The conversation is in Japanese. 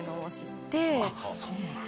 そうなんや。